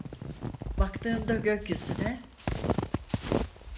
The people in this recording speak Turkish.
Baktığımda gökyüzüne…